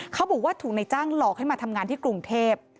เขาบอกว่าถูกในจ้างหลอกให้มาทำงานที่กรุงเทพ